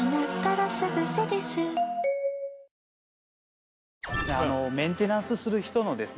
ニトリメンテナンスする人のですね